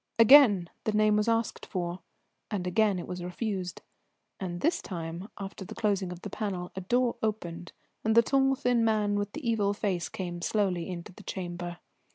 Again the name was asked for, and again it was refused; and this time, after the closing of the panel, a door opened, and the tall thin man with the evil face came slowly into the chamber.